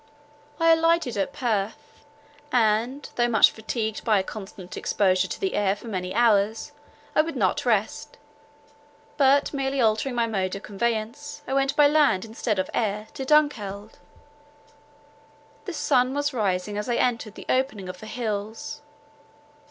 I alighted at Perth; and, though much fatigued by a constant exposure to the air for many hours, I would not rest, but merely altering my mode of conveyance, I went by land instead of air, to Dunkeld. The sun was rising as I entered the opening of the hills.